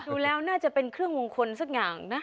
ดูแล้วน่าจะเป็นเครื่องมงคลสักอย่างนะ